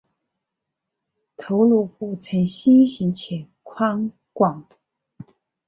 头颅骨呈心型且宽广。